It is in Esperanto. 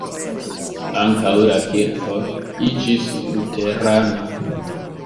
Ankaŭ la kirko iĝis luterana.